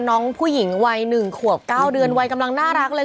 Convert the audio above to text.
น้องผู้หญิงวัย๑ขวบ๙เดือนวัยกำลังน่ารักเลย